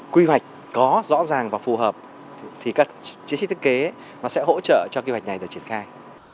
quy hoạch có rõ ràng và phù hợp thì các chiến sĩ thức kế sẽ hỗ trợ cho quy hoạch này được triển khai